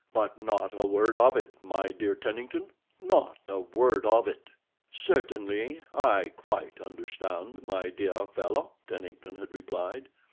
"But not a word of it, my dear Tennington—not a word of it." "Certainly, I quite understand, my dear fellow," Tennington had replied.